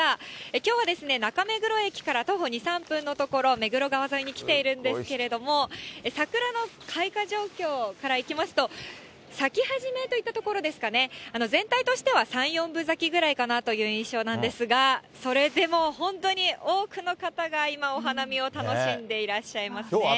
きょうはですね、中目黒駅から徒歩２、３分の所、目黒川沿いに来ているんですけれども、桜の開花状況からいきますと、咲き始めといったところですかね、全体としては３、４分咲きぐらいかなという印象なんですが、それでも本当に多くの方が今、お花見を楽しんでいらっしゃいますね。